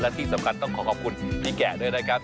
และที่สำคัญต้องขอขอบคุณพี่แกะด้วยนะครับ